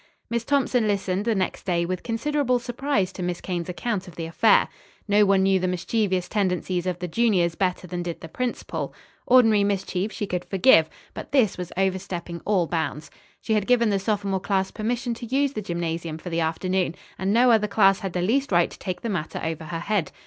Miss Thompson listened the next day with considerable surprise to Miss Kane's account of the affair. No one knew the mischievous tendencies of the juniors better than did the principal. Ordinary mischief she could forgive, but this was overstepping all bounds. She had given the sophomore class permission to use the gymnasium for the afternoon, and no other class had the least right to take the matter over her head.